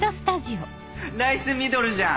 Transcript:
ナイスミドルじゃん！